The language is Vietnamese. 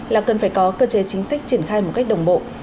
là cần phải có cơ chế chính sách triển khai một cách đồng bộ